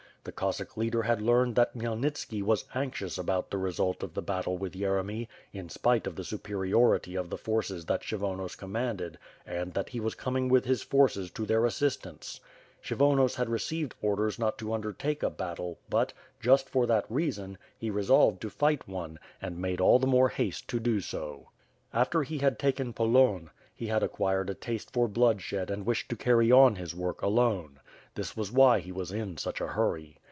The Cossack leader had learned that Khymelnitski was anxious about the result of the battle with Yeremy, in spite of the superiority of the forces that Kshyvonos commanded and that he was coming with his forces to their assistance. Kshyvonos had received orders not to undertake a battle but, just for that reason, he resolved to fight one, and made all the more haste to do so. WITH FIRE AND SWORD, gy After he had taken Polonne, he had acquired a taste for bloodshed and wished to carry on his work alone. This was why he was in such a hurry.